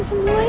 mama gak mau